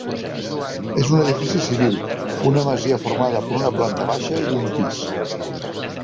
És un edifici civil, una masia formada per una planta baixa i un pis.